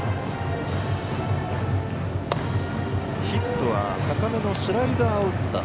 ヒットは高めスライダー。